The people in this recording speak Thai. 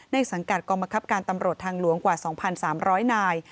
สังกัดกองบังคับการตำรวจทางหลวงกว่า๒๓๐๐นาย